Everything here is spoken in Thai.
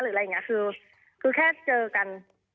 หรืออะไรอย่างนี้คือแค่เจอกัน